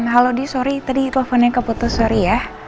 halo di sorry tadi teleponnya keputus sorry ya